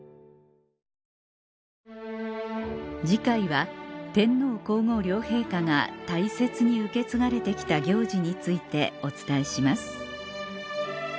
次回は天皇皇后両陛下が大切に受け継がれて来た行事についてお伝えします